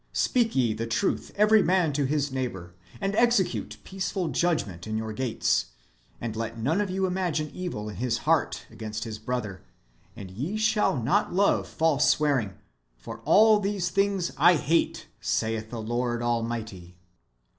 Speak ye the truth every man to his neighbour, and execute peaceful judgment in your gates, and let none of you imagine evil in his heart against his brother, and ye shall not love false swearing : for all these things I hate, saith the Lord Almighty."